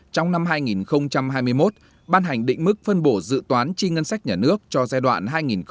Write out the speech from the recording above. trong năm hai nghìn hai mươi một ban hành định mức phân bổ dự toán chi ngân sách nhà nước cho giai đoạn hai nghìn hai mươi một hai nghìn hai mươi năm